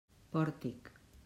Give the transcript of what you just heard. Pòrtic.